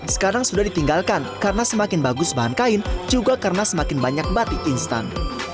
sekarang sudah ditinggalkan karena semakin bagus bahan kain juga karena semakin banyak batik instan